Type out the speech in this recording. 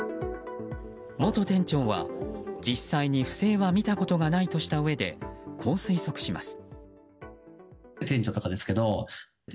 元店長は、実際に不正は見たことがないとしたうえでこう推測します。